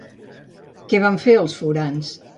Què van fer els forans?